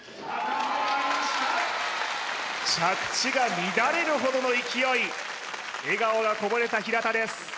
着地が乱れるほどの勢い笑顔がこぼれた平田です